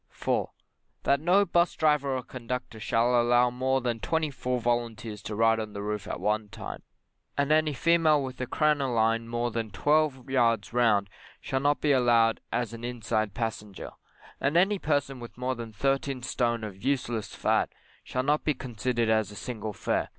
4. That no 'bus driver or conductor shall allow more than twenty four volunteers to ride on the roof at one time, and any female with a crinoline more than twelve yards round shall not be allowed as an inside passenger; and any person with more than thirteen stone of useless fat, shall not be considered as a single fare.